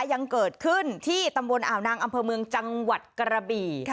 ยังเกิดขึ้นที่ตำบลอ่าวนางอำเภอเมืองจังหวัดกระบี่